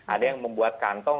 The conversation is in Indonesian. ada yang membuat kantong